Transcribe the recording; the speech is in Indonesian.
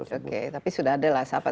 oke tapi sudah ada lah sapa